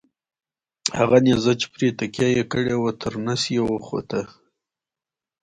هغه نیزه چې پرې تکیه یې کړې وه تر نس یې وخوته.